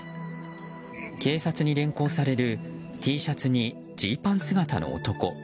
警察に連行されるＴシャツにジーパン姿の男。